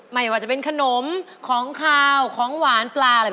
ไม่ว่าจะเป็นขนมของขาวของหวานปลาอะไร